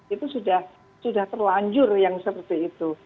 itu sudah terlanjur yang seperti itu